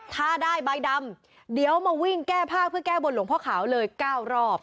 ถ้าได้ใบดำเดี๋ยวมาวิ่งแก้ผ้าเพื่อแก้บนหลวงพ่อขาวเลย๙รอบ